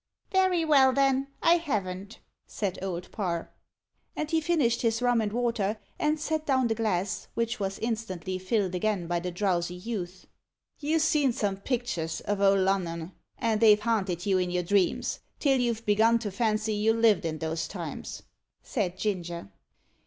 "Very well, then I haven't," said Old Parr. And he finished his rum and water, and set down the glass, which was instantly filled again by the drowsy youth. "You've seen some picters o' Old Lunnon, and they've haanted you in your dreams, till you've begun to fancy you lived in those times," said Ginger.